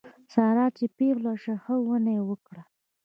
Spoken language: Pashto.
ساره چې پېغله شوه ښه ونه یې وکړه.